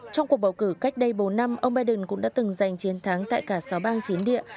trong cuộc bầu cử cách đây bốn năm ông biden cũng đã từng giành chiến thắng tại cả sáu bang chiến địa